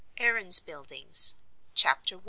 AARON'S BUILDINGS CHAPTER I.